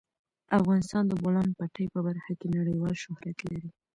افغانستان د د بولان پټي په برخه کې نړیوال شهرت لري.